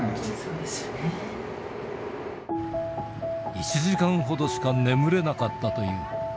１時間ほどしか眠れなかったという。